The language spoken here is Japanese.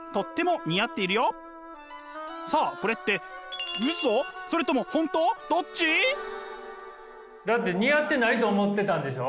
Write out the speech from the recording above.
さあこれってだって似合ってないと思ってたんでしょう？